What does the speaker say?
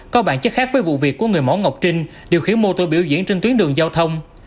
có bản chất khác với vụ việc của người mẫu ngọc trinh điều khiển mô tô biểu diễn trên tuyến đường giao thông